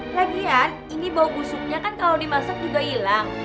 lagian ini bau busuknya kan kalau dimasak juga hilang